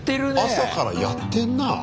朝からやってんな。